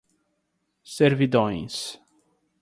servidões